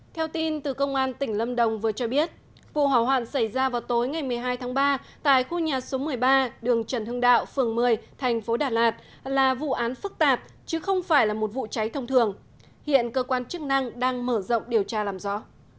theo tin từ công an tỉnh lâm đồng vừa cho biết vụ hỏa hoạn xảy ra vào tối ngày một mươi hai tháng ba tại khu nhà số một mươi ba đường trần hưng đạo phường một mươi thành phố đà lạt là vụ án phức tạp chứ không phải là một vụ cháy thông thường hiện cơ quan chức năng đang mở rộng điều tra làm rõ